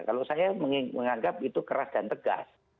kalau saya menganggap itu keras dan tegas